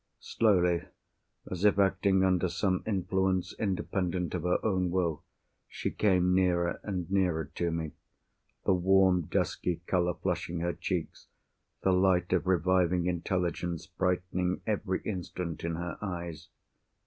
Slowly, as if acting under some influence independent of her own will, she came nearer and nearer to me; the warm dusky colour flushing her cheeks, the light of reviving intelligence brightening every instant in her eyes.